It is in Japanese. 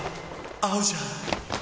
合うじゃん！！